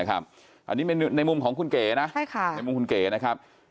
อันนี้ในมุมของคุณเก๋นะในมุมคุณเก๋นะครับ